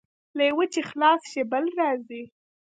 له یوه چې خلاص شې، بل راځي.